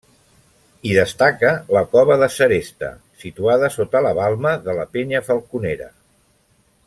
Hi destaca la Cova de s'Aresta, situada sota la balma de la penya Falconera.